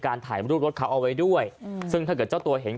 ถ่ายรูปรถเขาเอาไว้ด้วยอืมซึ่งถ้าเกิดเจ้าตัวเห็น